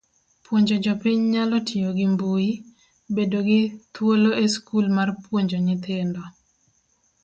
Puonjo jopiny nyalo tiyo gi mbui, bedo gi thuolo e skul mar puonjo nyithindo.